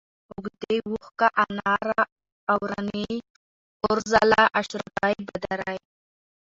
اوږۍ ، اوښکه ، اناره ، اورنۍ ، اورځلا ، اشرفۍ ، بدرۍ